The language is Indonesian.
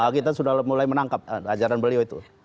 kita sudah mulai menangkap ajaran beliau itu